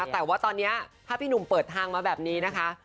ถ้าพี่หนุ่มเปิดทางมาแบบนี้นะ